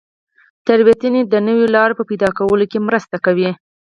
تېروتنې د نویو لارو په پیدا کولو کې مرسته کوي.